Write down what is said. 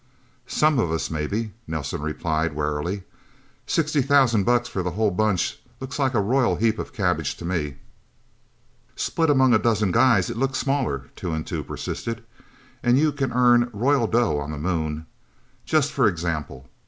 "Some of us, maybe," Nelsen replied warily. "Sixty thousand bucks for the whole Bunch looks like a royal heap of cabbage to me." "Split among a dozen guys, it looks smaller," Two and Two persisted. "And you can earn royal dough on the Moon just for example.